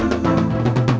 terima kasih pak